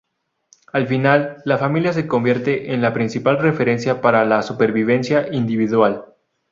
Al final, la familia se convierte en la principal referencia para la supervivencia individual.